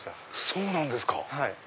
そうなんですか！